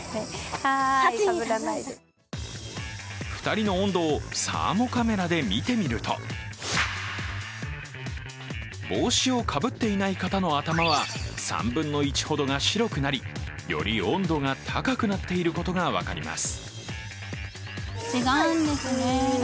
２人の温度をサーモカメラで見てみると帽子をかぶっていない方の頭は３分の１ほどが白くなり、より温度が高くなっていることが分かります。